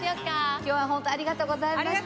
今日はホントありがとうございました。